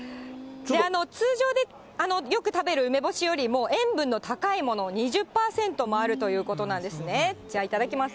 通常でよく食べる梅干しよりも塩分の高いもの、２０％もあるということなんでね、じゃあいただきます。